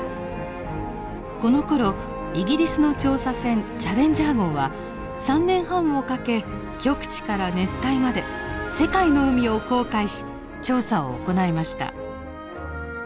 このころイギリスの調査船チャレンジャー号は３年半をかけ極地から熱帯まで世界の海を航海し調査を行いました。